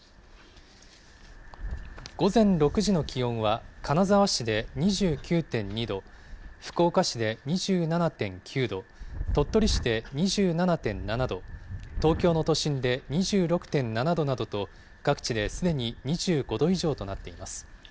午前６時の気温は、金沢市で２９．２度、福岡市で２７．９度、鳥取市で２７．７度、東京の都心で２６．７度などと各地ですでに２５度以上となっています。